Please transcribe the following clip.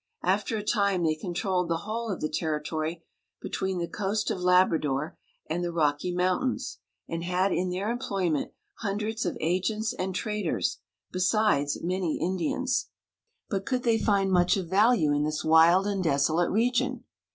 After a time they con trolled the whole of the territory between the coast of Labrador and the Rocky Mountains, and had in their employment hundreds of agents and traders, besides many Indians. 312 BRITISH AMERICA. But could they find much of value in this wild and desolate region?